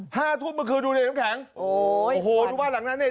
ห้าทุ่มเมื่อคืนดูดิแถมแข็งโอ้โหดูป่ะหลังนั้นเนี่ย